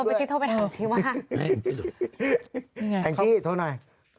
โทรไปที่โทรไปถามชิบว่า